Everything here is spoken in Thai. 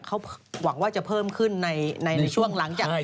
เขาหวังว่าจะเพิ่มขึ้นในช่วงหลังจาก